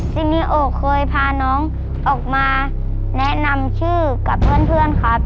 ซินีโอเคยพาน้องออกมาแนะนำชื่อกับเพื่อนครับ